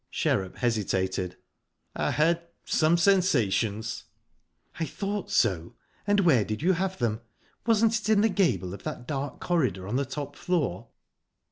Sherrup hesitated. "I had some sensations." "I thought so. And where did you have them? Wasn't it in the gable of that dark corridor on the top floor?"